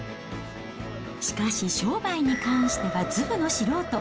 しかし商売に関してはずぶの素人。